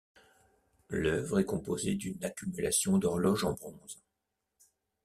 L'œuvre est composée d'une accumulation d'horloges en bronze.